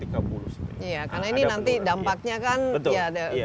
karena ini nanti dampaknya kan